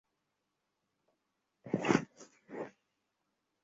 তাজা শাকসবজির চাষে নিজেকে ব্যস্ত রাখব!